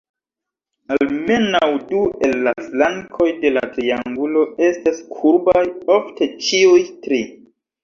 Almenaŭ du el la flankoj de la triangulo estas kurbaj; ofte ĉiuj tri.